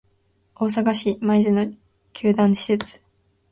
大阪市・舞洲の球団施設